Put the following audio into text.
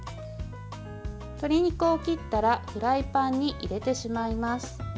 鶏肉を切ったらフライパンに入れてしまいます。